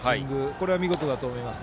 これは見事だと思います。